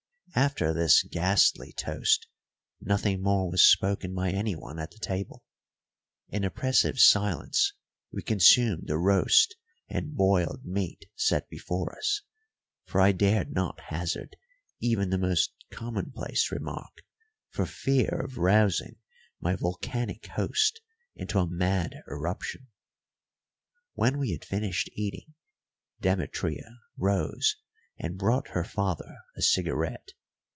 After this ghastly toast nothing more was spoken by anyone at the table. In oppressive silence we consumed the roast and boiled meat set before us; for I dared not hazard even the most commonplace remark for fear of rousing my volcanic host into a mad eruption. When we had finished eating, Demetria rose and brought her father a cigarette.